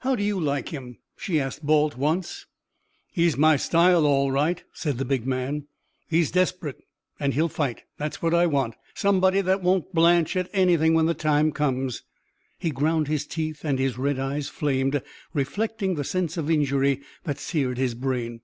"How do you like him?" she asked Balt, once. "He's my style, all right," said the big man. "He's desp'rate, and he'll fight; that's what I want somebody that won't blench at anything when the time comes." He ground his teeth, and his red eyes flamed, reflecting the sense of injury that seared his brain.